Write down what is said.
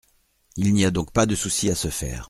Il n’y a donc pas de souci à se faire.